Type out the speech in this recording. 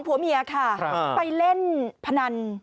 ผัวเมียค่ะไปเล่นพนัน